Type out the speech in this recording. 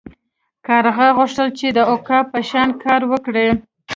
کارغه غوښتل چې د عقاب په شان کار وکړي.